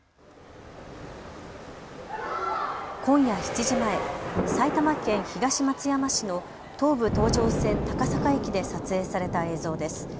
今夜７時前、埼玉県東松山市の東武東上線高坂駅で撮影された映像です。